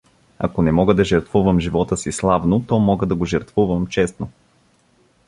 Ако не мога да жертвувам живота си славно, то мога да го жертвувам честно.